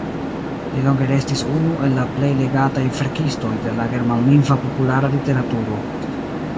Li longe restis unu el la plej legataj verkistoj de la germanlingva populara literaturo.